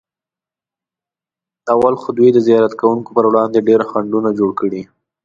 اول خو دوی د زیارت کوونکو پر وړاندې ډېر خنډونه جوړ کړي.